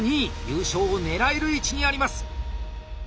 優勝を狙える位置にあります！